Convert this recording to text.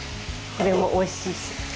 これもおいしいし。